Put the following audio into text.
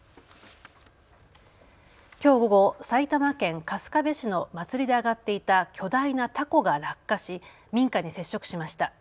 きょう午後、埼玉県春日部市の祭りで揚がっていた巨大なたこが落下し民家に接触しました。